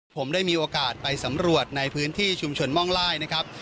ผมได้มีโอกาสไปสำรวจในพื้นที่ชุมชนม่องไล่นะครับ